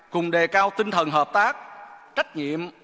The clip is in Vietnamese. cùng đề cao tinh thần hợp tác trách nhiệm